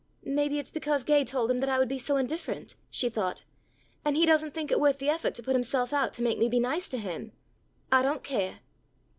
"Maybe it's because Gay told him that I would be so indifferent," she thought, "and he doesn't think it worth the effort to put himself out to make me be nice to him. I don't care."